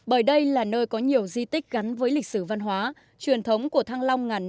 bởi đây là nơi có nhiều di tích gắn với lịch sử văn hóa